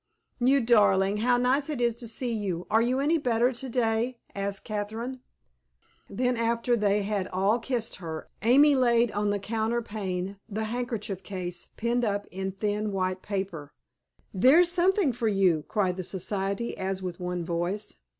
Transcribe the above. "You darling, how nice it is to see you! Are you any better to day?" asked Catherine. Then, after they had all kissed her, Amy laid on the counterpane the handkerchief case pinned up in thin white paper. "There's something for you," cried the society, as with one voice.